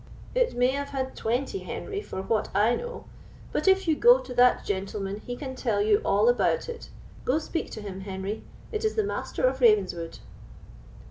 "It may have had twenty, Henry, for what I know; but if you go to that gentleman, he can tell you all about it. Go speak to him, Henry; it is the Master of Ravenswood."